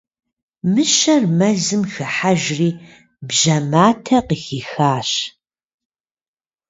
Мыщэр мэзым хыхьэжри, бжьэ матэ къыхихащ.